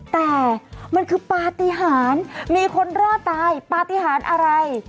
แต่มันคือปฏิหารมีคนรอดตายปฏิหารอะไร